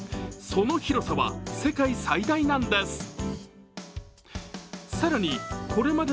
その広さは世界最大なんです。